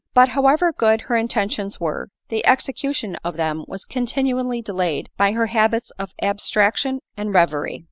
But however good her intentions were, the execution of them was continually delayed by her habits of abstrac tion and reverie.